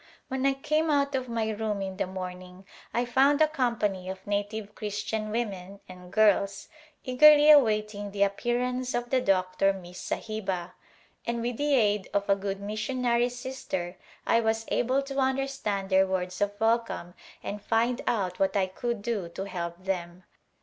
When I came out of my room in the morning I found a company of native Christian women and girls eagerly awaiting the appearance of the " Doctor Miss Sahiba," and with the aid of a good missionary sister I was able to understand their words of welcome and find out what I could do to help them.